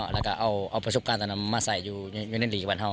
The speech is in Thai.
แล้วก็เอาประสบการณ์ตอนนั้นมาใส่อยู่ในหลีกวันเฮา